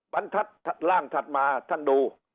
บรรทัศน์ร่างถัดมาท่านดู